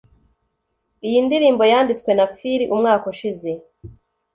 Iyi ndirimbo yanditswe na Phil umwaka ushize